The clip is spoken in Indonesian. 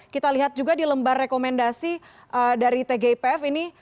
kita lihat juga di lembar rekomendasi dari tgipf ini